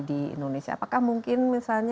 di indonesia apakah mungkin misalnya